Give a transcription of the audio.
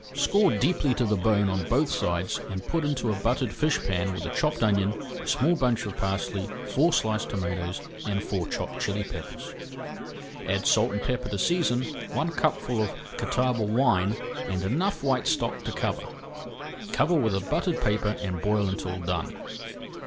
Score deeply to the bone on both sides and put into a buttered fish pan with a chopped onion, a small bunch of parsley, four sliced tomatoes, and four chopped chilli peppers. Add salt and pepper to season, one cupful of Catawba wine, and enough white stock to cover. Cover with a buttered paper and boil until done.